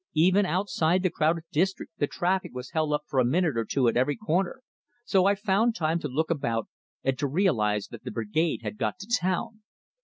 Even outside the crowded district, the traffic was held up for a minute or two at every corner; so I found time to look about, and to realize that the Brigade had got to town.